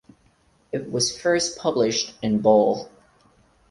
It was first published in Bull.